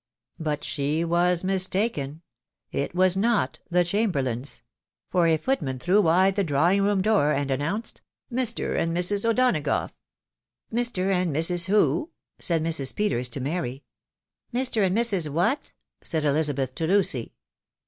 But she was mistaken, it was not the Chamberlains ; for a . footman threw wide the drawing room door, and announced i€ Mr. and Mrs. O'Donagough !" i€ Mr. and Mrs. who ?" said Mrs. Peters to Marv. " Mr. and Mrs. what?' said Elizabeth to Lucy.